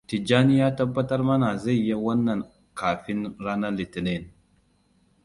Tijjani ya tabbatar mana zai yi wannan kafin ranar Litinin.